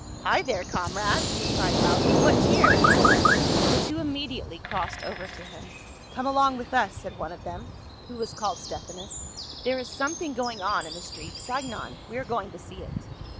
"Hi there, comrades!" he cried loudly, "what cheer?" The two immediately crossed over to him. " Come along with us," said one of them, who was called Ste phanas, " there is something going on in the street Singon ; we are going to see it."